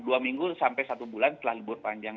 dua minggu sampai satu bulan setelah libur panjang